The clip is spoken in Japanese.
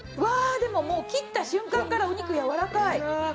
切った瞬間からお肉やわらかい！